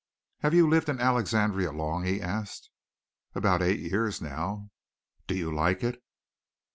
"Have you lived in Alexandria long?" he asked. "About eight years now." "Do you like it?"